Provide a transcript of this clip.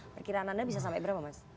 perkiraan anda bisa sampai berapa mas